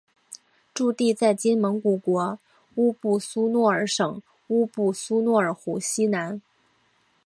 驻地在今蒙古国乌布苏诺尔省乌布苏诺尔湖西南。